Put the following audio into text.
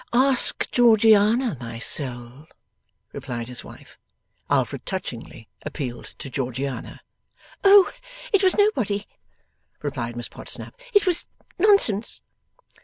'Ask Georgiana, my soul,' replied his wife. Alfred touchingly appealed to Georgiana. 'Oh, it was nobody,' replied Miss Podsnap. 'It was nonsense.